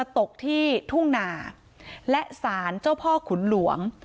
ตกที่ทุ่งนาและสารเจ้าพ่อขุนหลวง